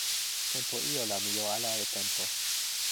tenpo ijo la mi jo ala e tenpo.